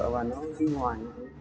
và nó đi ngoài